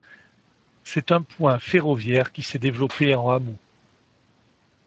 C'est un point ferroviaire qui s'est développé en hameau.